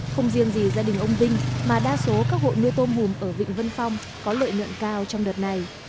không riêng gì gia đình ông vinh mà đa số các hộ nuôi tôm hùm ở vịnh vân phong có lợi nhuận cao trong đợt này